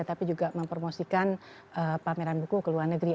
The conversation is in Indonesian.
tapi juga mempromosikan pameran buku ke luar negeri